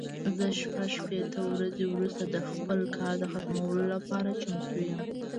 زه شپږ شپېته ورځې وروسته د خپل کار د ختمولو لپاره چمتو یم.